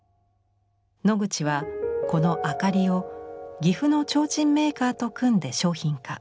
ノグチはこの「あかり」を岐阜の提灯メーカーと組んで商品化。